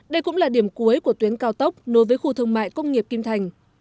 đây cũng là điểm cuối của tuyến cao tốc nối với khu thương mại công nghiệp kim thành